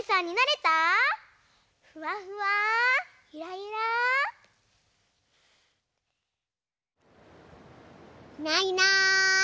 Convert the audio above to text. いないいない。